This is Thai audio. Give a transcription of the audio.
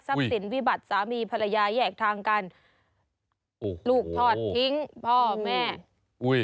สินวิบัติสามีภรรยาแยกทางกันโอ้โหลูกทอดทิ้งพ่อแม่อุ้ย